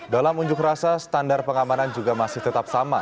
dalam unjuk rasa standar pengamanan juga masih tetap sama